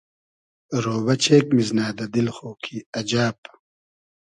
رۉبۂ چېگ میزنۂ دۂ دیل خو کی اجئب